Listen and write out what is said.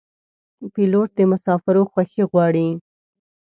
پیلوټ د مسافرو خوښي غواړي.